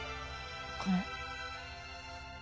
これ。